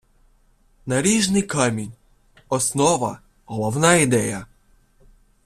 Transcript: Наріжний камінь - основа, головна ідея